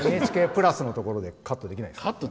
ＮＨＫプラスでカットできないですかね。